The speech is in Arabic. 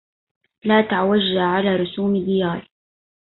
لا تعوجا على رسوم ديار